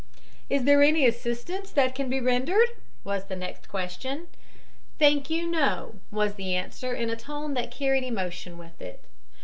"Is there any assistance that can be rendered?" was the next question. "Thank you, no," was the answer in a tone that carried emotion with it.